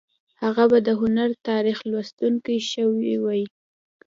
هغه به د هنر تاریخ لوستونکی شوی وای